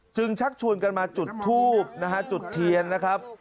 จึงชักชวนกันมาจุดทูบจุดเทียนนะครับ